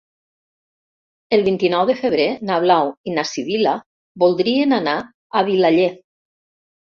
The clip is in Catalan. El vint-i-nou de febrer na Blau i na Sibil·la voldrien anar a Vilaller.